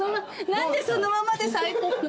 何でそのままで最高？